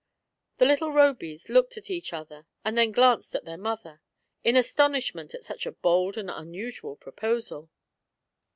The little Robys looked at each other, and then glanced at their mother, in astonishment at such a bold and unusual proposal.